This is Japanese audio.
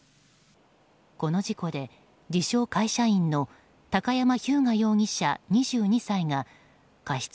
この事故で、自称会社員の高山飛勇我容疑者、２２歳が過失